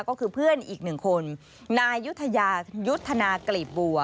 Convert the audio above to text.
ก็คือเพื่อนอีก๑คนนายุธยายุธนากลีบบัว